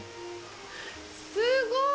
すごーい！！